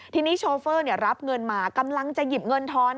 ทีนี้โชเฟอร์รับเงินมากำลังจะหยิบเงินทอน